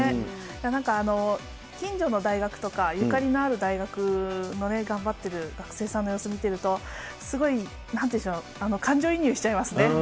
なんか近所の大学とかゆかりのある大学の頑張ってる学生さんの様子を見てると、すごいなんていうんでしょう感情移入しちゃいますね。